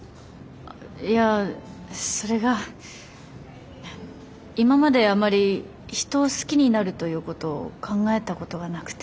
いやそれが今まであまり「人を好きになる」ということを考えたことがなくて。